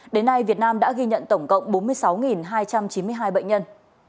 đến nay việt nam đã ghi nhận tổng cộng bốn mươi sáu hai trăm chín mươi hai bệnh nhân